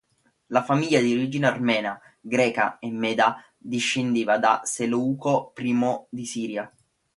La famiglia, di origine armena, greca e meda, discendeva da Seleuco I di Siria.